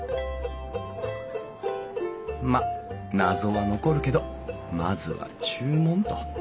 まっ謎は残るけどまずは注文と。